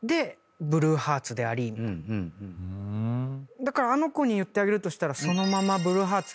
だからあの子に言ってあげるとしたら。